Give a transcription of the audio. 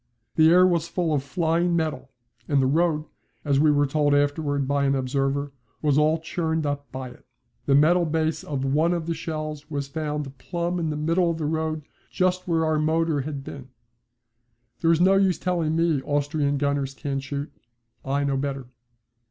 The air was full of flying metal, and the road, as we were told afterwards by an observer, was all churned up by it. The metal base of one of the shells was found plumb in the middle of the road just where our motor had been. There is no use telling me Austrian gunners can't shoot. I know better.